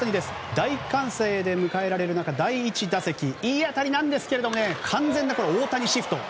大歓声で迎えられた第１打席いい当たりなんですけど完全な大谷シフト。